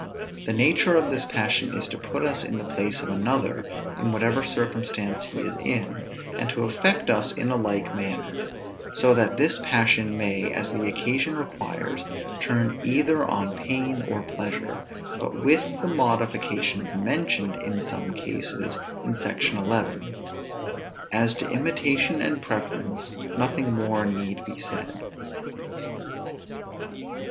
The nature of this passion is, to put us in the place of another in whatever circumstance he is in, and to affect us in a like manner; so that this passion may, as the occasion requires, turn either on pain or pleasure; but with the modifications mentioned in some cases in Sect. 11. As to imitation and preference, nothing more need be said.